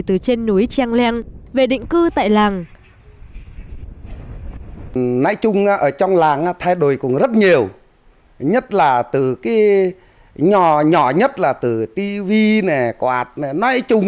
từ trên núi trang leng về định cư tại làng